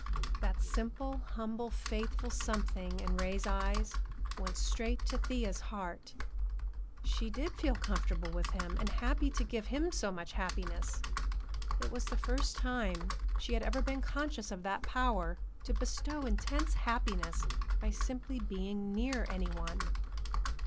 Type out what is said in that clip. That simple, humble, faithful something in Ray's eyes went straight to Thea's heart. She did feel comfortable with him, and happy to give him so much happiness. It was the first time she had ever been conscious of that power to bestow intense happiness by simply being near any one.